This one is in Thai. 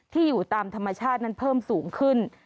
อยู่ตามธรรมชาตินั้นเพิ่มสูงขึ้น